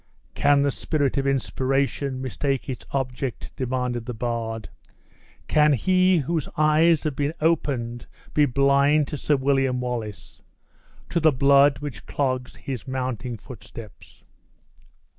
"Can the spirit of inspiration mistake its object?" demanded the bard. "Can he whose eyes have been opened be blind to Sir William Wallace to the blood which clogs his mounting footsteps?"